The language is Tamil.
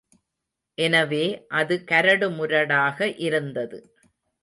எனவே அது கரடுமுரடாக இருந்தது.